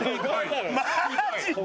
マジで？